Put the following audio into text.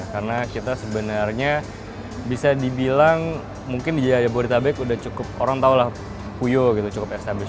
karena kita sebenarnya bisa dibilang mungkin di jabodetabek udah cukup orang tau lah puyo gitu cukup established